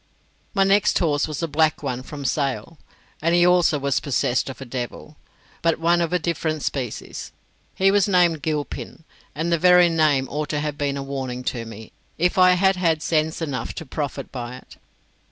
My next horse was a black one from Sale, and he also was possessed of a devil, but one of a different species. He was named Gilpin, and the very name ought to have been a warning to me if I had had sense enough to profit by it.